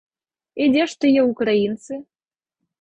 І дзе ж тыя ўкраінцы?